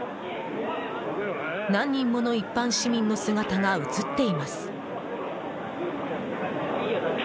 何人もの一般市民の姿が映っています。